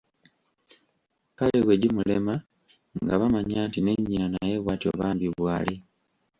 Kale bwe gimulema nga bamanya nti ne nnyina naye bwatyo bambi bwali!